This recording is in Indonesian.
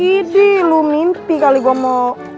ini lu mimpi kali gue mau